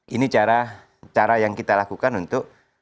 ini cara yang kita lakukan untuk